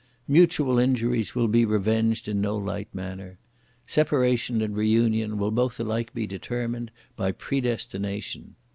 Mutual injuries will be revenged in no light manner! Separation and reunion will both alike be determined by predestination!